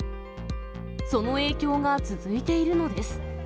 その影響が続いているのです。